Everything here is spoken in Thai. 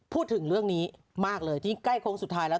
พูดถึงเรื่องนี้มากเลยที่ใกล้โค้งสุดท้ายแล้ว